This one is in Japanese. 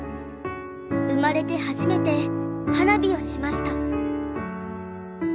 生まれて初めて花火をしました。